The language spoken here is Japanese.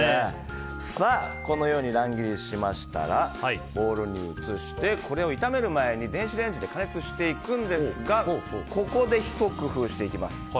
このように乱切りしましたらボウルに移してこれを炒める前に電子レンジで加熱していきますがここでひと工夫していきます。